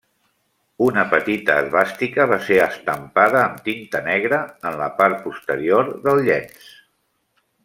Una petita esvàstica va ser estampada amb tinta negra en la part posterior del llenç.